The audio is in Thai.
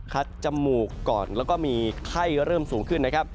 จมูกก่อนแล้วก็มีไข้เริ่มสูงขึ้นนะครับ